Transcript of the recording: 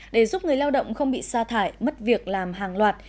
để giúp người lao động không bị sa thải mất việc làm hàng loạt